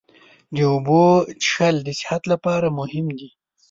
د اوبو څښل د صحت لپاره مهم دي.